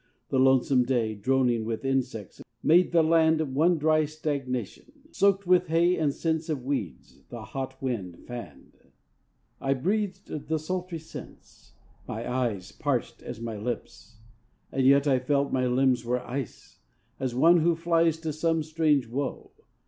The lonesome day, Droning with insects, made the land One dry stagnation; soaked with hay And scents of weeds, the hot wind fanned. I breathed the sultry scents, my eyes Parched as my lips. And yet I felt My limbs were ice. As one who flies To some strange woe.